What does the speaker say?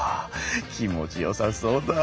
気持ちよさそうだ。